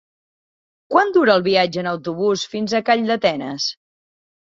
Quant dura el viatge en autobús fins a Calldetenes?